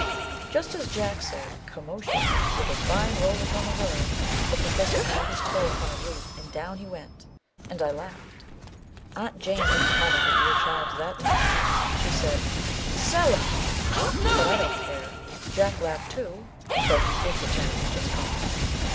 Just as Jack said " commotion," with a fine roll upon the word, the Professor caught his toe upon a root, and down he went â and I laughed. Aunt Jane didn't call me her dear child that time; she said, " Zel 1 l ah !" But I don't care. Jack laughed too, though he did pretend he was just coughing.